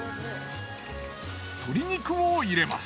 鶏肉を入れます。